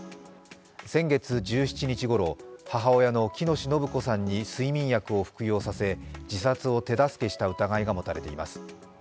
先月１７日ごろ、母親の喜熨斗延子さんに睡眠薬を服用させ、自殺を手助けした疑いが持たれています。